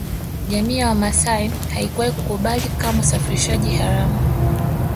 Jamii ya Wamasai haikuwahi kukubali kamwe usafirishaji haramu